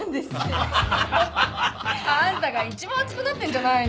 アハハ！あんたが一番熱くなってんじゃないの？